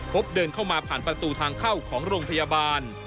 พบเดินเข้ามาผ่านประตูทางเข้าของโรงพยาบาล